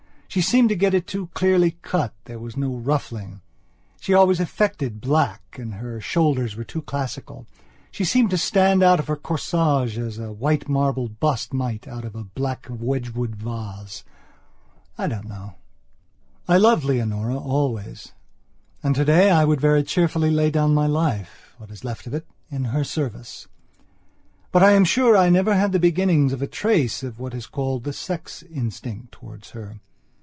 She seemed to get it too clearly cut, there was no ruffling. She always affected black and her shoulders were too classical. She seemed to stand out of her corsage as a white marble bust might out of a black Wedgwood vase. I don't know. I loved Leonora always and, today, I would very cheerfully lay down my life, what is left of it, in her service. But I am sure I never had the beginnings of a trace of what is called the sex instinct towards her.